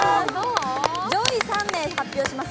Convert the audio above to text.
上位３名発表します